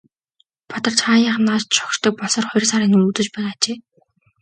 Бадарч хааяахан нааш шогшдог болсоор хоёр сарын нүүр үзэж байгаа ажээ.